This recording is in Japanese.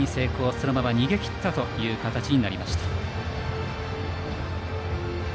そのまま逃げ切ったという形になりました。